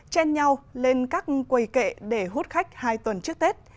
chen nhau lên các quầy kệ để hút khách hai tuần trước tết